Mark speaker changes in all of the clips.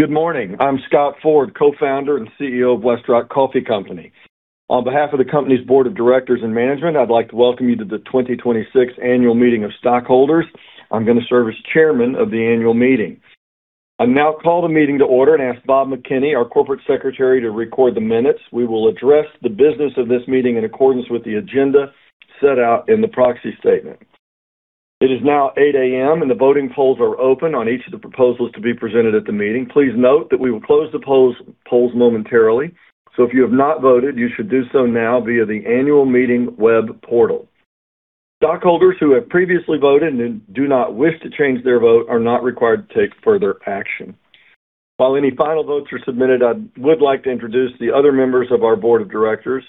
Speaker 1: Good morning. I'm Scott Ford, Co-Founder and CEO of Westrock Coffee Company. On behalf of the company's board of directors and management, I'd like to welcome you to the 2026 Annual Meeting of Stockholders. I'm going to serve as Chairman of the Annual Meeting. I now call the meeting to order and ask Bob McKinney, our Corporate Secretary, to record the minutes. We will address the business of this meeting in accordance with the agenda set out in the Proxy Statement. It is now 8:00 A.M., and the voting polls are open on each of the proposals to be presented at the meeting. Please note that we will close the polls momentarily, so if you have not voted, you should do so now via the Annual Meeting web portal. Stockholders who have previously voted and do not wish to change their vote are not required to take further action. While any final votes are submitted, I would like to introduce the other members of our Board of Directors,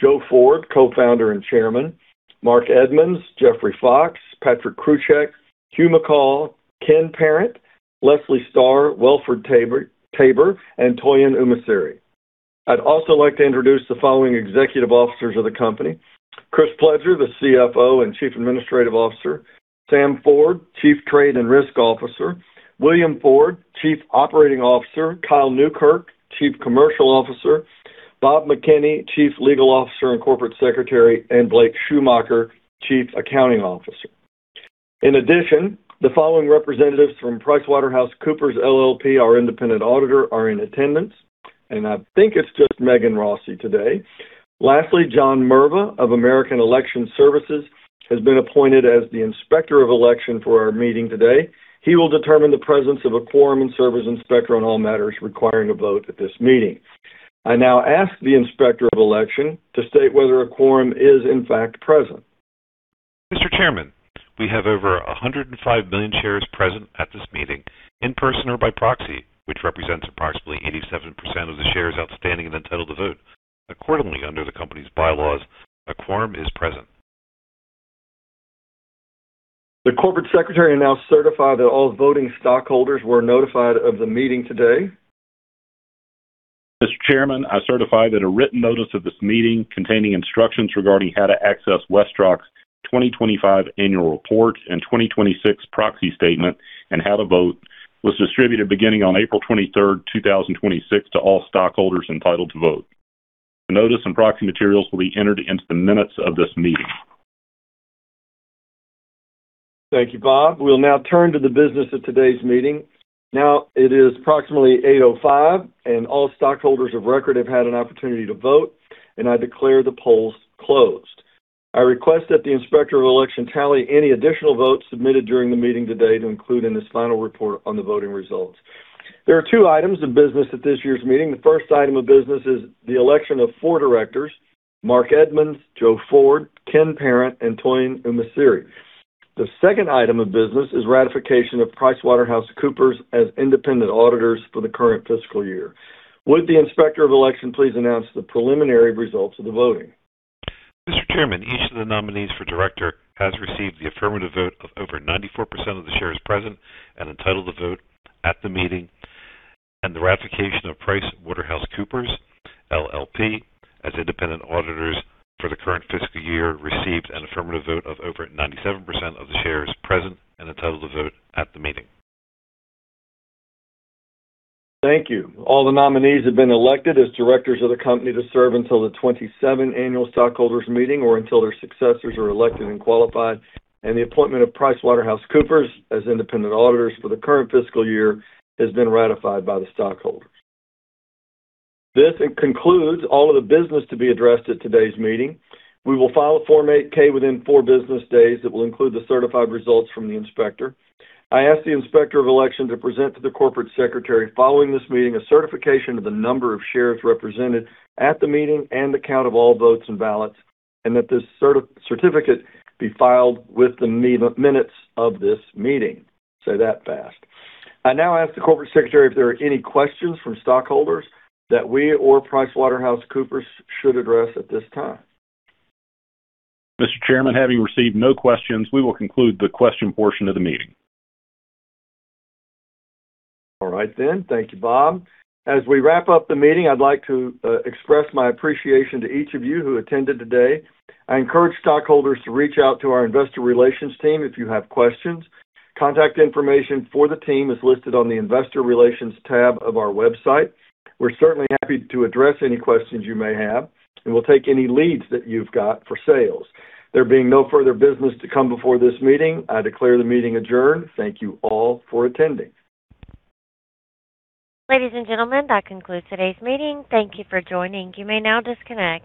Speaker 1: Joe Ford, Co-founder and Chairman, Mark Edmunds, Jeffrey Fox, Patrick Kruczek, Hugh McColl, Ken Parent, Leslie Starr, Wellford Tabor, and Toyin Umesiri. I'd also like to introduce the following executive officers of the company, Chris Pledger, the CFO and Chief Administrative Officer, Sam Ford, Chief Trade and Risk Officer, William Ford, Chief Operating Officer, Kyle Newkirk, Chief Commercial Officer, Bob McKinney, Chief Legal Officer and Corporate Secretary, and Blake Schuhmacher, Chief Accounting Officer. In addition, the following representatives from PricewaterhouseCoopers LLP, our independent auditor, are in attendance, and I think it's just Megan Rossi today. Lastly, John Merva of American Election Services has been appointed as the Inspector of Election for our meeting today. He will determine the presence of a quorum and serve as inspector on all matters requiring a vote at this meeting. I now ask the Inspector of Election to state whether a quorum is, in fact, present.
Speaker 2: Mr. Chairman, we have over 105 million shares present at this meeting, in person or by proxy, which represents approximately 87% of the shares outstanding and entitled to vote. Accordingly, under the company's bylaws, a quorum is present.
Speaker 1: The Corporate Secretary now certify that all voting stockholders were notified of the meeting today.
Speaker 3: Mr. Chairman, I certify that a written notice of this meeting, containing instructions regarding how to access Westrock's 2025 Annual Report and 2026 Proxy Statement and how to vote, was distributed beginning on April 23rd, 2026, to all stockholders entitled to vote. The notice and proxy materials will be entered into the minutes of this meeting.
Speaker 1: Thank you, Bob. We'll now turn to the business of today's meeting. Now, it is approximately 8:05 A.M., and all stockholders of record have had an opportunity to vote, and I declare the polls closed. I request that the Inspector of Election tally any additional votes submitted during the meeting today to include in this final report on the voting results. There are two items of business at this year's meeting. The first item of business is the election of four directors, Mark Edmunds, Joe Ford, Ken Parent, and Toyin Umesiri. The second item of business is ratification of PricewaterhouseCoopers as independent auditors for the current fiscal year. Would the Inspector of Election please announce the preliminary results of the voting?
Speaker 2: Mr. Chairman, each of the nominees for director has received the affirmative vote of over 94% of the shares present and entitled to vote at the meeting, and the ratification of PricewaterhouseCoopers LLP, as independent auditors for the current fiscal year received an affirmative vote of over 97% of the shares present and entitled to vote at the meeting.
Speaker 1: Thank you. All the nominees have been elected as directors of the company to serve until the 2027 Annual Stockholders' Meeting or until their successors are elected and qualified, and the appointment of PricewaterhouseCoopers as independent auditors for the current fiscal year has been ratified by the stockholders. This concludes all of the business to be addressed at today's meeting. We will file a Form 8-K within four business days that will include the certified results from the inspector. I ask the Inspector of Election to present to the Corporate Secretary following this meeting a certification of the number of shares represented at the meeting and the count of all votes and ballots, and that this certificate be filed with the minutes of this meeting. Say that fast. I now ask the Corporate Secretary if there are any questions from stockholders that we or PricewaterhouseCoopers should address at this time.
Speaker 3: Mr. Chairman, having received no questions, we will conclude the question portion of the meeting.
Speaker 1: All right. Thank you, Bob. As we wrap up the meeting, I'd like to express my appreciation to each of you who attended today. I encourage stockholders to reach out to our investor relations team if you have questions. Contact information for the team is listed on the Investor Relations tab of our website. We're certainly happy to address any questions you may have, and we'll take any leads that you've got for sales. There being no further business to come before this meeting, I declare the meeting adjourned. Thank you all for attending.
Speaker 4: Ladies and gentlemen, that concludes today's meeting. Thank you for joining. You may now disconnect.